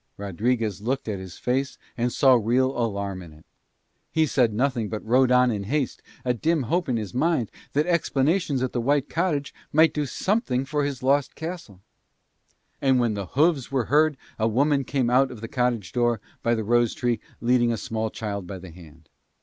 Rodriguez looked at his face and saw real alarm in it. He said nothing but rode on in haste, a dim hope in his mind that explanations at the white cottage might do something for his lost castle. And when the hooves were heard a woman came out of the cottage door by the rose tree leading a small child by the hand.